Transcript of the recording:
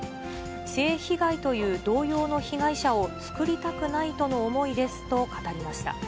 性被害という同様の被害者を作りたくないとの思いですと語りました。